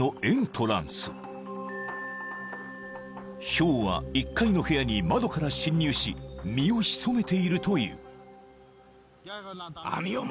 ［ヒョウは１階の部屋に窓から侵入し身を潜めているという］